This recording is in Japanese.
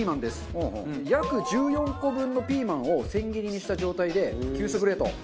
約１４個分のピーマンを千切りにした状態で急速冷凍。